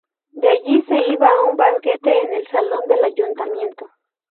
De allí se iba a un banquete en el salón del ayuntamiento.